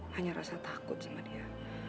hanya rasa takut sama dia